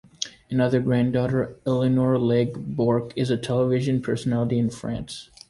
Another granddaughter, Eleanor Legge-Bourke, is a television personality in France.